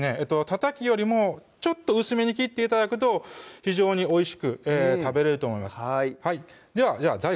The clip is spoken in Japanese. たたきよりもちょっと薄めに切って頂くと非常においしく食べれると思いますではＤＡＩＧＯさん